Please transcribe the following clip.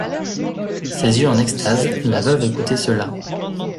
Ses yeux en extase, la veuve écoutait cela.